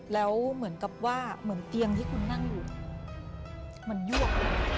แล้วเหมือนกับว่าเหมือนเตียงที่คุณนั่งอยู่มันยวก